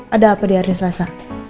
ada apa di hari selasa